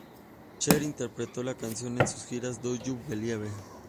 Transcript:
Cher interpretó la canción en sus giras "Do You Believe?